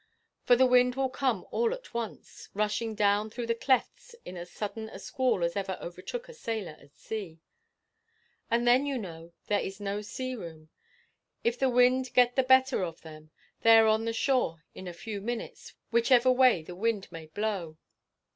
For the wind will come all at once, rushing down through the clefts in as sudden a squall as ever overtook a sailor at sea. And then, you know, there is no sea room. If the wind get the better of them, they are on the shore in a few minutes, whichever way the wind may blow.